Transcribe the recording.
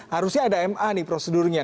harusnya ada ma nih prosedurnya